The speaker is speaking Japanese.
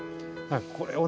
これをね